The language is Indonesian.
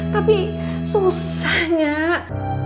tapi susah nyak